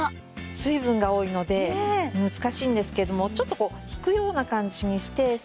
水分が多いので難しいんですけどもちょっとこう引くような感じにしてスッと。